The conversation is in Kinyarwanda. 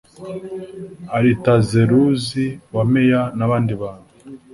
aritazeruzi wa meya nabandi bantu